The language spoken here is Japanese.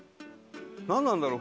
なんなんだろう？